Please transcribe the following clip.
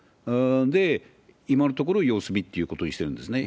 で、今のところ様子見っていうことにしてるんですね。